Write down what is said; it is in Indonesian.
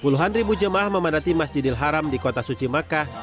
puluhan ribu jemaah memadati masjidil haram di kota suci makkah